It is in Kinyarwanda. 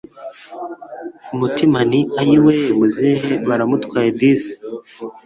kumutima nti aiyweee muzehe baramutwaye disi